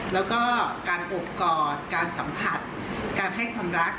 แล้วก็การโอบกอดการสัมผัสการให้ความรัก